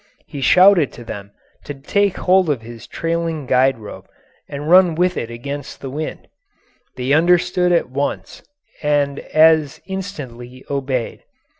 He shouted to them to take hold of his trailing guide rope and run with it against the wind. They understood at once and as instantly obeyed.